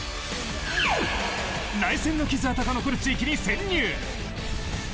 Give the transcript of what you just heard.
内戦の傷跡が残る地域に潜入。